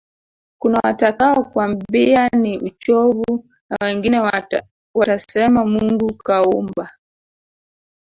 kunawatakao kwambia ni uchovu na wengine watasema mungu kauumba